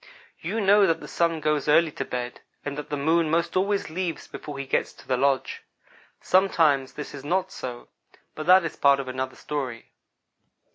"You know that the Sun goes early to bed, and that the Moon most always leaves before he gets to the lodge. Sometimes this is not so, but that is part of another story.